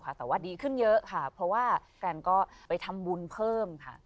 แต่ว่าดีขึ้นเยอะค่ะเพราะว่าแฟนก็ไปทำบุญเพิ่มค่ะ